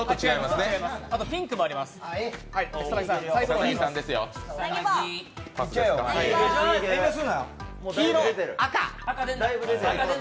あとピンクもあります。